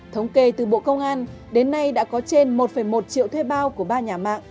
thống kê từ bộ công an đến nay đã có trên một một triệu thuê bao của ba nhà mạng